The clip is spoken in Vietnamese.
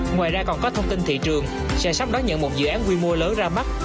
ngoài ra còn có thông tin thị trường sẽ sắp đón nhận một dự án quy mô lớn ra mắt